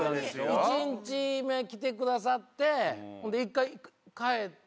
１日目来てくださってほんで一回帰って。